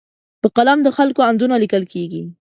په قلم د خلکو اندونه لیکل کېږي.